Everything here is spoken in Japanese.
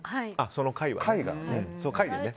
その回は。